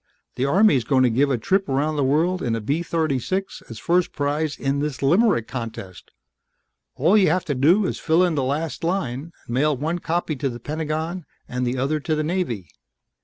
The Army's gonna give a trip around the world in a B 36 as first prize in this limerick contest. All you have to do is fill in the last line, and mail one copy to the Pentagon and the other to the Navy